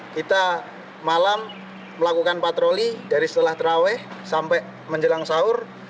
kita malam melakukan patroli dari setelah terawih sampai menjelang sahur